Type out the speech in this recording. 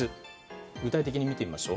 具体的に見てみましょう。